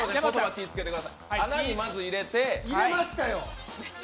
穴にまず入れて。